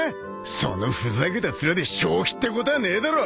そのふざけた面で正気ってこたあねえだろ！